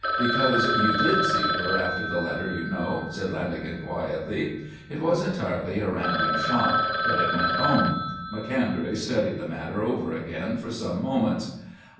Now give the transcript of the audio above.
"Because you did see her after the letter, you know," said Lanagan quietly. It was entirely a random shot, but it went home. Macondray studied the matter over again for some moments.